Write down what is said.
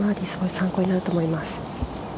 参考になると思います。